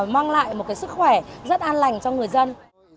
mang lại một sức khỏe rất an lành cho người dân